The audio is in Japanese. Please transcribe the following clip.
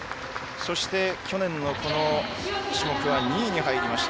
そして、去年の種目は２位に入りました。